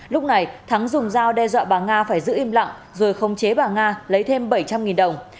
lúc này thắng dùng dao đe dọa bà nga phải giữ im lặng rồi không chế bà nga lấy thêm bảy trăm linh đồng